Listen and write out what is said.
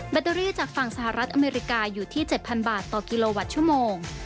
เตอรี่จากฝั่งสหรัฐอเมริกาอยู่ที่๗๐๐บาทต่อกิโลวัตต์ชั่วโมง